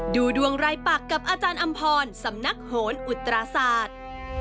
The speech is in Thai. ดูดวงรายปักกับอาจารย์อำพรสำนักโหนอุตราศาสตร์